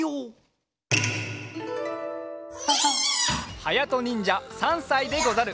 はやとにんじゃ３さいでござる。